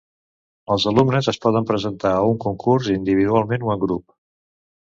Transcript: Els alumnes es poden presentar a un concurs individualment o en grup.